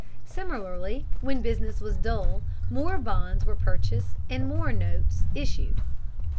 Similarly, when business was dull, more bonds were purchased, and more notes issued.